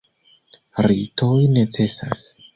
Ritoj necesas.